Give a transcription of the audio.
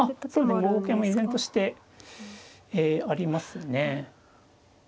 ５五桂も依然としてえありますね。